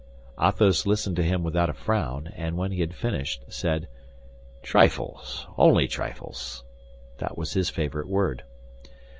Athos listened to him without a frown; and when he had finished, said, "Trifles, only trifles!" That was his favorite word.